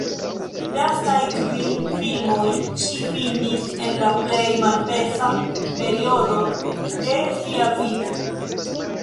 Lastaj kvin filmoj ŝi filmis en la plej malpeza periodo de sia vivo.